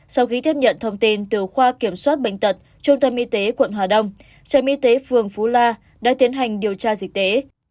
sau khi tiếp nhận thông tin từ khoa kiểm soát bệnh tật trung tâm y tế quận hà đông trạm y tế phường phú la đã tiến hành điều tra dịch tế